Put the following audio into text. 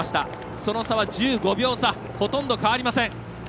その差は１５秒差ほとんど変わりません。